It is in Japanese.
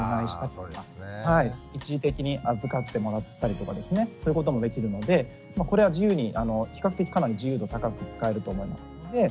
一時的に預かってもらったりとかですねそういうこともできるのでこれは自由に比較的かなり自由度高く使えると思いますので。